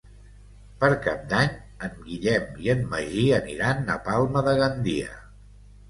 Per Cap d'Any en Guillem i en Magí aniran a Palma de Gandia.